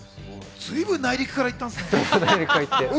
随分内陸から行ったんですね。